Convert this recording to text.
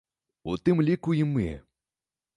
У тым ліку і мы.